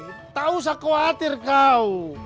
gak usah khawatir kau